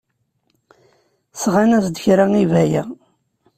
Sɣan-as-d kra i Baya.